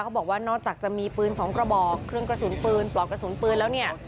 บอกว่านอกจากจะมีปืนสองกระบอกเครื่องกระสุนปืนปลอกกระสุนปืนแล้วเนี่ย